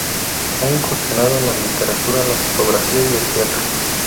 Ha incursionado en la literatura, la fotografía y el teatro.